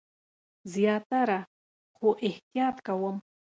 زیاتره، خو احتیاط کوم